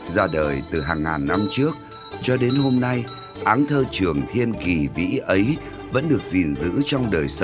ra đời từ hàng ngàn năm trước cho đến hôm nay áng thơ trường thiên kỳ vĩ ấy vẫn được gìn giữ trong đời sống